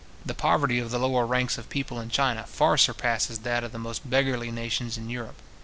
The poverty of the lower ranks of people in China far surpasses that of the most beggarly nations in Europe.